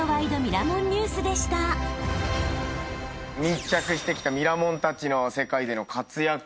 密着してきたミラモンたちの世界での活躍。